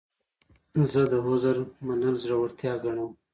زه د عذر منل زړورتیا ګڼم.